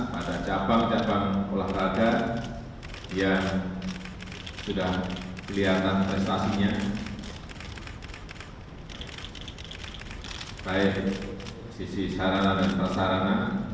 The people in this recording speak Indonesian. pada cabang cabang olahraga yang sudah kelihatan prestasinya baik sisi sarana dan prasarana